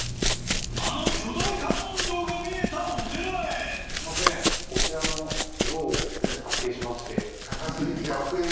あの巨大観音像が見えたお寺へすいませんこちらの像を発見しまして。